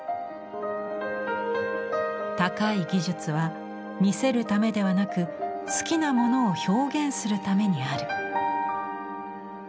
高い技術は見せるためではなく好きなものを表現するためにある。